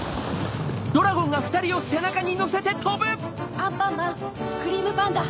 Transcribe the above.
アンパンマンクリームパンダ